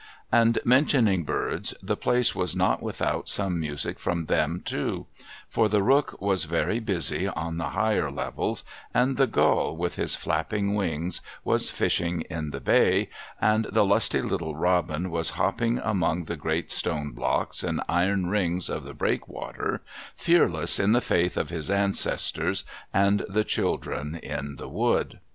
And mentioning birds, the place was not without some music from them too ; for the rook was very l)usy on the higher levels, and the gull with his Happing wings was fishing in the bay, and the lusty little robin was hoj^ping among the great stone blocks and iron rings of the break water, fearless in the faitli of his ancestors, and the Children in the AVood.